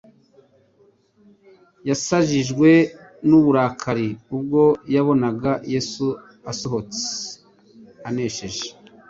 yasajijwe n'uburakari. Ubwo yabonaga Yesu asohotse anesheje,